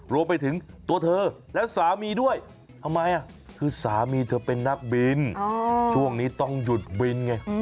รวมไปถึงตัวเธอและสามีด้วยทำไมคือสามีเธอเป็นนักบินช่วงนี้ต้องหยุดบินไง